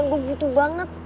gua butuh banget